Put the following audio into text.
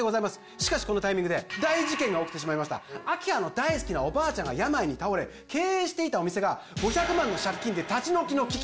しかしこのタイミングで大事件が起きてしまいました明葉の大好きなおばあちゃんが病に倒れ経営していたお店が５００万の借金で立ち退きの危機